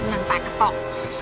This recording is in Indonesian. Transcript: nang tak ketok